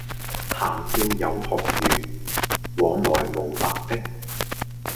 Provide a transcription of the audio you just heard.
談笑有鴻儒，往來無白丁